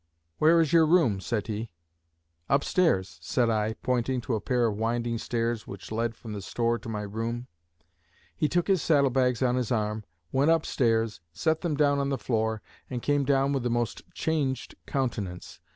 'Where is your room?' said he. 'Up stairs,' said I, pointing to a pair of winding stairs which led from the store to my room. He took his saddle bags on his arm, went up stairs, set them down on the floor, and came down with the most changed countenance.